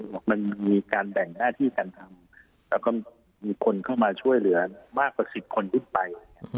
บอกมันมีการแบ่งหน้าที่การทำแล้วก็มีคนเข้ามาช่วยเหลือมากกว่า๑๐คนขึ้นไป